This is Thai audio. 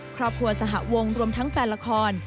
ครอบครัวสหวงรวมทั้งแฟนละคร